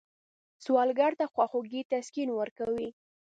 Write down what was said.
سوالګر ته خواخوږي تسکین ورکوي